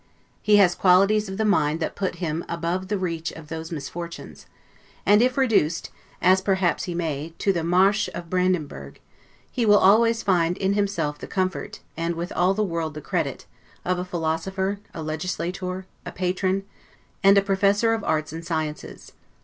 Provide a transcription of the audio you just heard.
He has qualities of the mind that put him above the reach of these misfortunes; and if reduced, as perhaps he may, to the 'marche' of Brandenburg, he will always find in himself the comfort, and with all the world the credit, of a philosopher, a legislator, a patron, and a professor of arts and sciences.